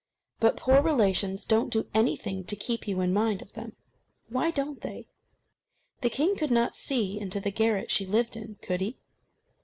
But poor relations don't do anything to keep you in mind of them. Why don't they? The king could not see into the garret she lived in, could he?